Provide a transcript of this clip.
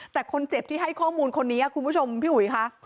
แต่คนเจ็บที่ให้ข้อมูลคนนี้คุณผู้ชมพี่อุ๋ยค่ะ